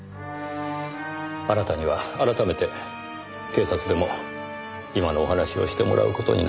あなたには改めて警察でも今のお話をしてもらう事になります。